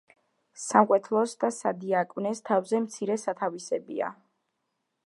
სამკვეთლოს და სადიაკვნეს თავზე მცირე სათავსებია.